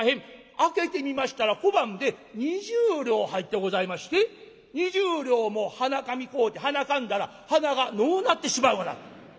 開けてみましたら小判で２０両入ってございまして２０両も鼻紙買うてはなかんだら鼻がのうなってしまうがな。